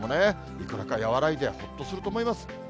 いくらか和らいで、ほっとすると思います。